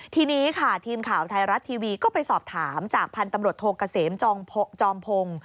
ทีนี้ค่ะทีมข่าวไทยรัฐทีวีก็ไปสอบถามจากพันธุ์ตำรวจโทเกษมจอมพงศ์